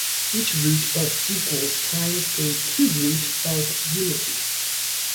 Each root of equals times a cube root of unity.